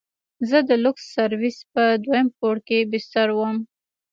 زه د لوکس سرويس په دويم پوړ کښې بستر وم.